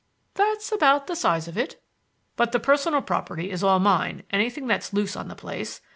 "That's about the size of it." "But the personal property is all mine,—anything that's loose on the place.